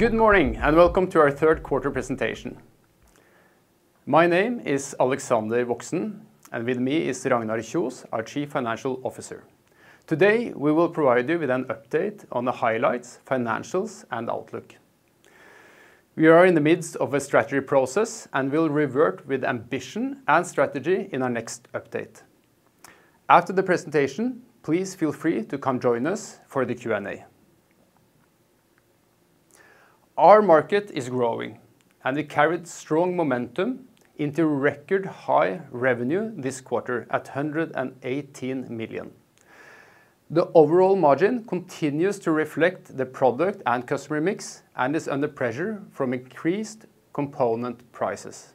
Good morning, and welcome to our third quarter presentation. My name is Alexander Woxen, and with me is Ragnar Kjos, our Chief Financial Officer. Today, we will provide you with an update on the highlights, financials, and outlook. We are in the midst of a strategy process and will revert with ambition and strategy in our next update. After the presentation, please feel free to come join us for the Q&A. Our market is growing, and it carried strong momentum into record high revenue this quarter at 118 million. The overall margin continues to reflect the product and customer mix, and is under pressure from increased component prices.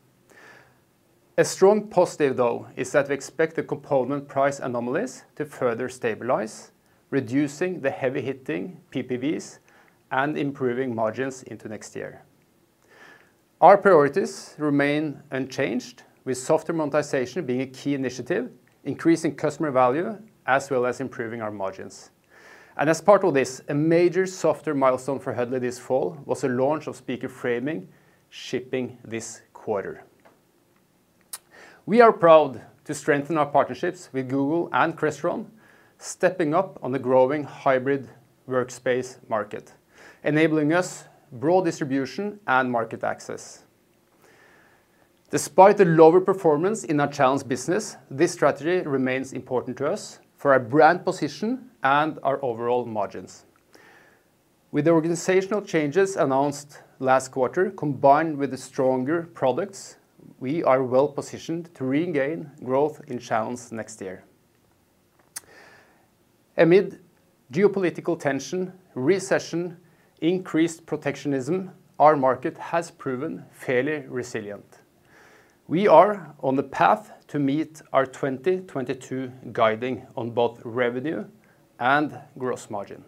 A strong positive though is that we expect the component price anomalies to further stabilize, reducing the heavy-hitting PPVs and improving margins into next year. Our priorities remain unchanged, with software monetization being a key initiative, increasing customer value, as well as improving our margins. As part of this, a major software milestone for Huddly this fall was a launch of Speaker Framing, shipping this quarter. We are proud to strengthen our partnerships with Google and Crestron, stepping up on the growing hybrid workspace market, enabling us broad distribution and market access. Despite the lower performance in our channel business, this strategy remains important to us for our brand position and our overall margins. With the organizational changes announced last quarter, combined with the stronger products, we are well positioned to regain growth in channel next year. Amid geopolitical tension, recession, increased protectionism, our market has proven fairly resilient. We are on the path to meet our 2022 guidance on both revenue and gross margin.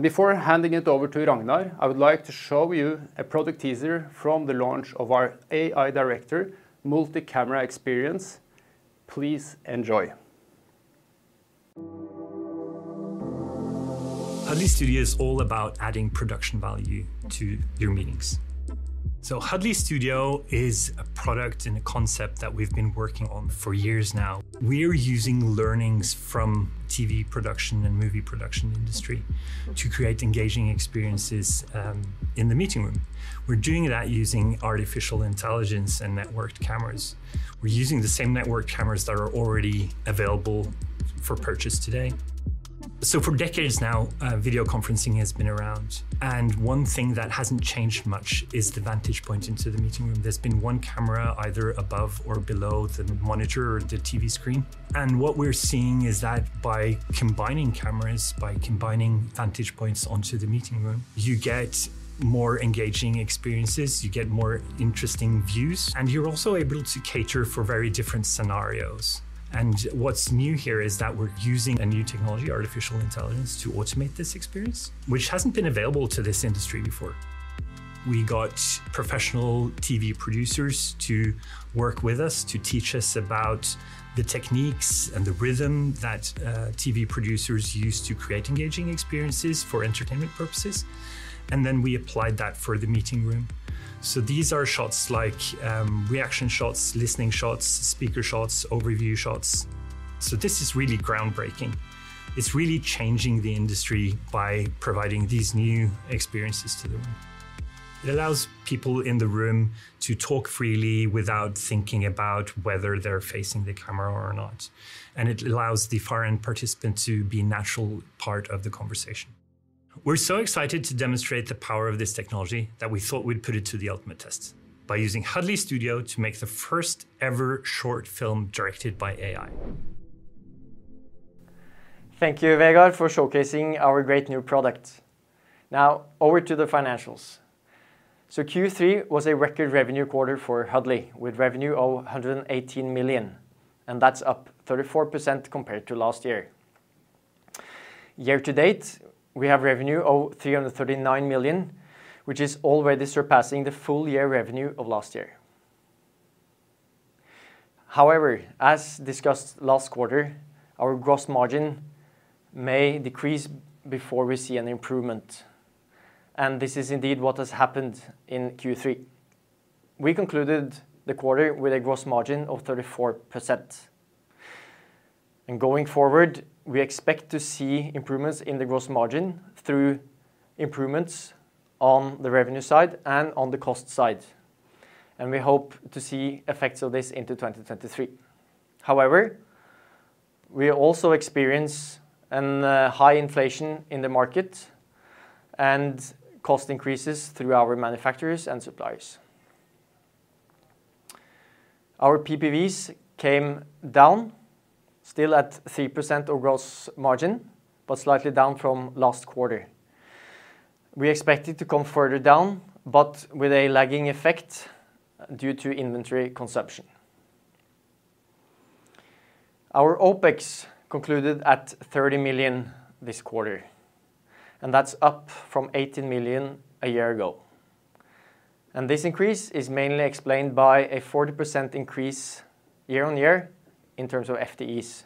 Before handing it over to Ragnar, I would like to show you a product teaser from the launch of our AI director multi-camera experience. Please enjoy. Huddly Studio is all about adding production value to your meetings. Huddly Studio is a product and a concept that we've been working on for years now. We're using learnings from TV production and movie production industry to create engaging experiences, in the meeting room. We're doing that using artificial intelligence and networked cameras. We're using the same networked cameras that are already available for purchase today. For decades now, video conferencing has been around, and one thing that hasn't changed much is the vantage point into the meeting room. There's been one camera either above or below the monitor or the TV screen, and what we're seeing is that by combining cameras, by combining vantage points onto the meeting room, you get more engaging experiences, you get more interesting views, and you're also able to cater for very different scenarios. What's new here is that we're using a new technology, artificial intelligence, to automate this experience, which hasn't been available to this industry before. We got professional TV producers to work with us to teach us about the techniques and the rhythm that TV producers use to create engaging experiences for entertainment purposes, and then we applied that for the meeting room. These are shots like, reaction shots, listening shots, speaker shots, overview shots. This is really groundbreaking. It's really changing the industry by providing these new experiences to the room. It allows people in the room to talk freely without thinking about whether they're facing the camera or not, and it allows the far end participant to be a natural part of the conversation. We're so excited to demonstrate the power of this technology that we thought we'd put it to the ultimate test by using Huddly Studio to make the first-ever short film directed by AI. Thank you, Vegard, for showcasing our great new product. Now, over to the financials. Q3 was a record revenue quarter for Huddly, with revenue of 118 million, and that's up 34% compared to last year. Year to date, we have revenue of 339 million, which is already surpassing the full year revenue of last year. However, as discussed last quarter, our gross margin may decrease before we see an improvement, and this is indeed what has happened in Q3. We concluded the quarter with a gross margin of 34%. Going forward, we expect to see improvements in the gross margin through improvements on the revenue side and on the cost side, and we hope to see effects of this into 2023. However, we also experience a high inflation in the market and cost increases through our manufacturers and suppliers. Our PPV came down, still at 3% of gross margin, but slightly down from last quarter. We expect it to come further down, but with a lagging effect due to inventory consumption. Our OpEx concluded at 30 million this quarter, and that's up from 18 million a year ago. This increase is mainly explained by a 40% increase year-on-year in terms of FTEs.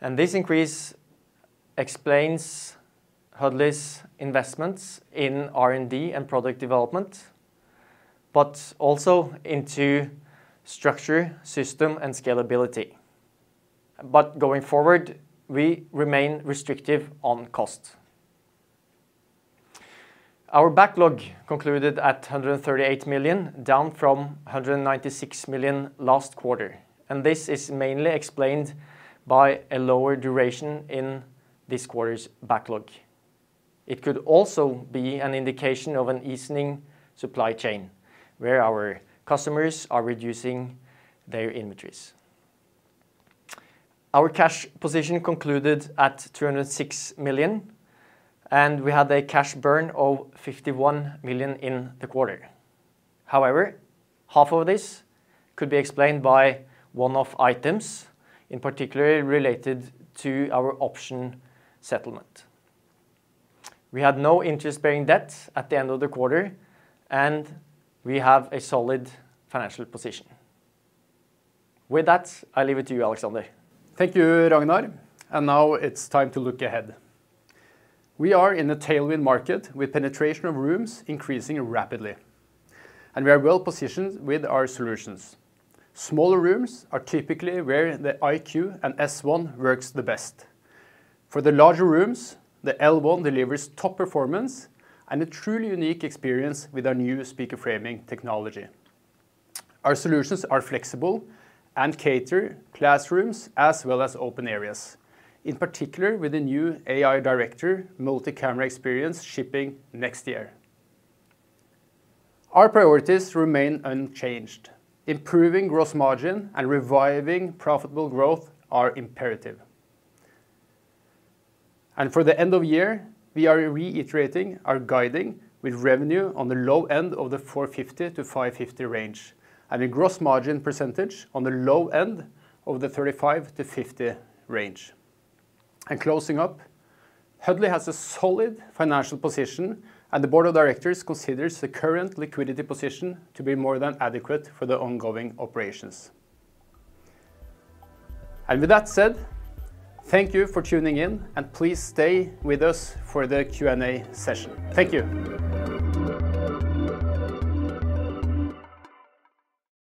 This increase explains Huddly's investments in R&D and product development, but also into structure, system, and scalability. Going forward, we remain restrictive on cost. Our backlog concluded at 138 million, down from 196 million last quarter, and this is mainly explained by a lower duration in this quarter's backlog. It could also be an indication of an easing supply chain, where our customers are reducing their inventories. Our cash position concluded at 206 million, and we had a cash burn of 51 million in the quarter. However, half of this could be explained by one-off items, in particular related to our option settlement. We had no interest-bearing debt at the end of the quarter, and we have a solid financial position. With that, I leave it to you, Alexander. Thank you, Ragnar. Now it's time to look ahead. We are in a tailwind market with penetration of rooms increasing rapidly, and we are well positioned with our solutions. Smaller rooms are typically where the IQ and S1 works the best. For the larger rooms, the L1 delivers top performance and a truly unique experience with our new Speaker Framing technology. Our solutions are flexible and cater to classrooms as well as open areas, in particular with the new AI director multi-camera experience shipping next year. Our priorities remain unchanged. Improving gross margin and reviving profitable growth are imperative. For the end of year, we are reiterating our guidance with revenue on the low end of the 450 million-550 million range and a gross margin percentage on the low end of the 35%-50% range. Closing up, Huddly has a solid financial position, and the board of directors considers the current liquidity position to be more than adequate for the ongoing operations. With that said, thank you for tuning in, and please stay with us for the Q&A session. Thank you.